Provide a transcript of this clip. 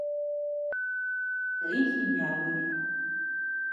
Lï jiyaduy.